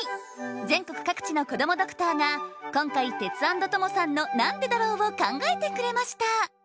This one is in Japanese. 全国各地のこどもドクターが今回テツａｎｄトモさんの「なんでだろう」を考えてくれました